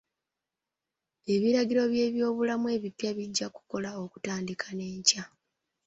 Ebiragiro by'ebyobulamu ebippya bijja kukola okutandika n'enkya.